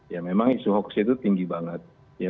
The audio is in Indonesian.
ya memang isu hoax itu tinggi banget